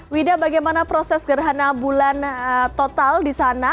wida bagaimana proses gerhana bulan total di sana